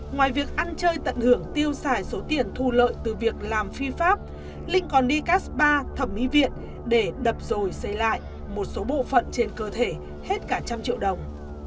ngoài việc ăn chơi tận hưởng tiêu xài số tiền thu lợi từ việc làm phi pháp linh còn đi cas ba thẩm mỹ viện để đập rồi xây lại một số bộ phận trên cơ thể hết cả trăm triệu đồng